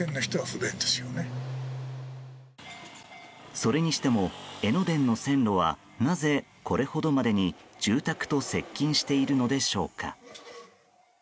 それにしても、江ノ電の線路はなぜ、これほどまでに住宅と接近しているのでしょうか。